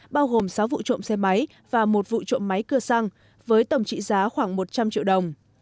bao gồm sáu vụ trộm xe máy và một vụ trộm máy cưa xăng với tổng trị giá khoảng một trăm linh triệu đồng